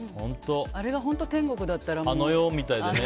あれが本当に天国だったらね。